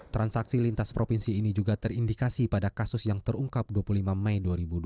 transaksi lintas provinsi ini juga terindikasi pada kasus yang terungkap dua puluh lima mei dua ribu dua puluh